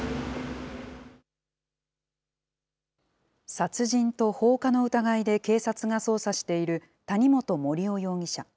殺人と放火の疑いで警察が捜査している谷本盛雄容疑者。